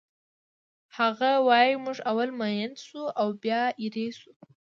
هغه وایی موږ اول مین شو او بیا ایرې شو